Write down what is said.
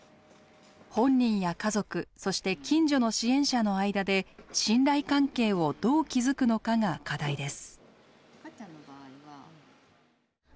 本人や家族そして近所の支援者の間で信頼関係をどう築くのかが課題です。